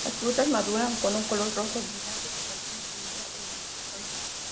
Las frutas maduran con un color rojo brillante, que contiene una semilla elipsoide.